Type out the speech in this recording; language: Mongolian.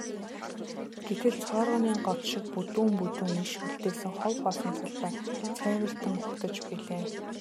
Гэтэл цооргонын год шиг бүдүүн бүдүүн иш үлдээсэн хов хоосон талбай цайвартан угтаж билээ.